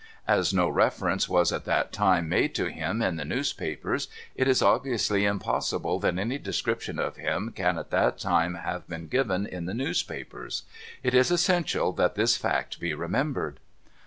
As no reference was at that time made to him in the newspapers, it is obviously impossible that any description of him can at that time have been given in the news papers. It is essential that this fact be remembered.